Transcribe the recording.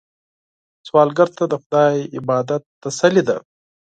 سوالګر ته د خدای عبادت تسلي ده